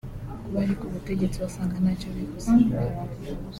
Ku bari ku butegetsi wasanga ntacyo bivuze